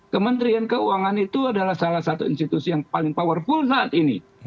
kementerian keuangan itu adalah salah satu institusi yang paling powerful saat ini